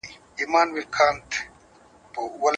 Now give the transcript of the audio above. ایا ځايي کروندګر ممیز پلوري؟